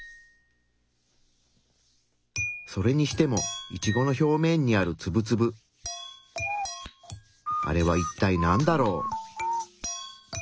それにしてもイチゴの表面にあるツブツブあれはいったいなんだろう？